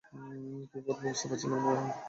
কি করব বুঝতে পারছিলাম না, মোহন।